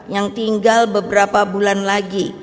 yang tinggal beberapa bulan lagi